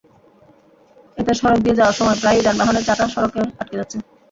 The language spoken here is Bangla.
এতে সড়ক দিয়ে যাওয়ার সময় প্রায়ই যানবাহনের চাকা সড়কে আটকে যাচ্ছে।